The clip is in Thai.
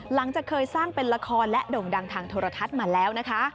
หลังจากเคยสร้างเป็นละครและด่งดังทางโทรทัศน์มาแล้วนะคะ